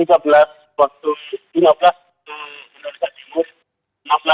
di sekitar tiga belas waktu lima belas ke indonesia timur